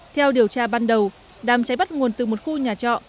theo điều tra ban đầu đám cháy bắt nguồn từ một khu nhà trọ